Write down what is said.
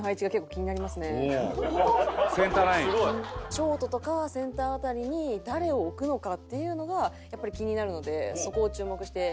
ショートとかセンター辺りに誰を置くのかっていうのがやっぱり気になるのでそこを注目して見たいと思います。